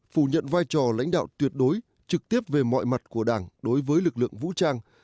phủ nhận vai trò lãnh đạo tuyệt đối trực tiếp về mọi mặt của đảng đối với lực lượng vũ trang